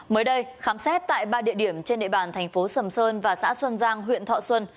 mới đây khám xét tại ba địa điểm trên địa bàn thành phố sầm sơn và xã xuân giang huyện thọ xuân